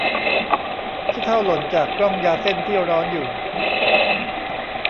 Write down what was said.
ขี้เถ้าหล่นจากกล้องยาเส้นที่ร้อนอยู่